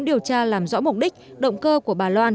điều tra làm rõ mục đích động cơ của bà loan